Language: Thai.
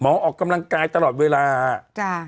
หมอออกกำลังกายตลอดเวลาหรือแคร่กัน